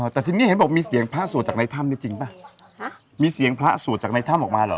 แต่ทีนี้เห็นบอกมีเสียงพระสวดจากในถ้ำนี่จริงป่ะมีเสียงพระสวดจากในถ้ำออกมาเหรอ